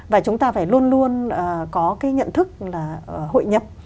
và chúng ta phải luôn luôn có cái nhận thức là hội nhập